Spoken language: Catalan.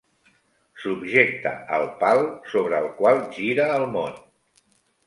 Subjecta el pal sobre el qual gira el món.